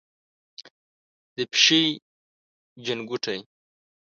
د پیشۍ چنګوټی،